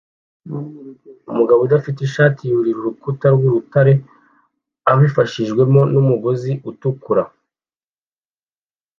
Umugabo udafite ishati yurira urukuta rw'urutare abifashijwemo n'umugozi utukura